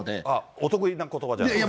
お得意なことばじゃないですか。